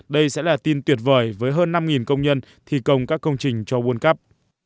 đây sẽ là tin tuyệt vời với hơn năm công nhân thi công các công trình cho world cup